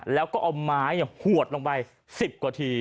แล้วก็เอาไม้หวดลงไป๑๐กว่าที